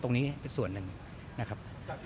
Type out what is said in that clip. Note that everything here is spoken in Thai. ตรงนี้ส่วนนึงนะครับ